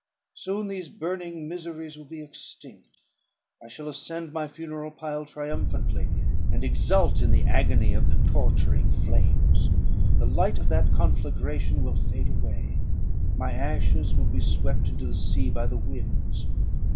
Soon these burning miseries will be extinct. I shall ascend my funeral pile triumphantly, and exult in the agony of the torturing flames. The light of that conflagration will fade away; my ashes will be swept into the sea by the winds.